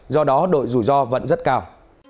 do đó đội rủi ro vẫn rất cao